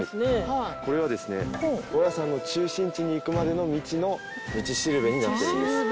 これはですね高野山の中心地に行くまでの道の道しるべになっているんです。